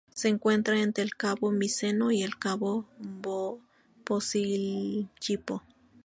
Se encuentra entre el cabo Miseno y el cabo Posillipo.